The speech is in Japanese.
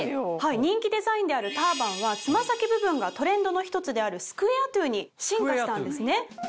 人気デザインであるターバンは爪先部分がトレンドの１つであるスクエアトゥに進化したんですね。